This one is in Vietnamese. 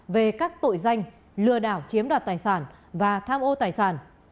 về các tội danh lừa đảo chiếm đoạt tài sản và tham ô tài sản